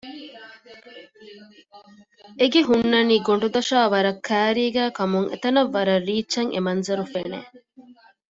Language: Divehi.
އެ ގެ ހުންނަނީ ގޮނޑުދޮށާ ވަރަށް ކައިރީގައި ކަމުން އެތަނަށް ވަރަށް ރީއްޗަށް އެ މަންޒަރު ފެނެ